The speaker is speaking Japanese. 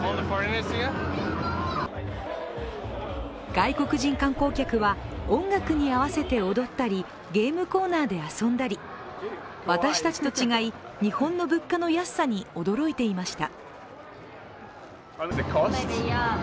外国人観光客は、音楽に合わせて踊ったりゲームコーナーで遊んだり私たちと違い、日本の物価の安さに驚いていました。